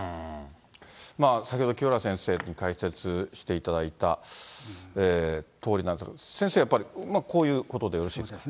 先ほど清原先生に解説していただいたとおりなんですが、先生やっぱり、こういうことでよろしいですか。